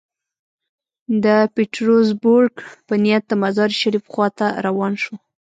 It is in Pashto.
د پیټرزبورګ په نیت د مزار شریف خوا ته روان شو.